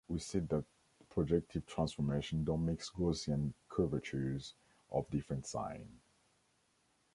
We see that projective transformations don't mix Gaussian curvatures of different sign.